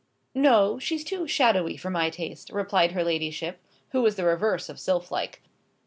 "No; she's too shadowy for my taste," replied her ladyship, who was the reverse of sylph like.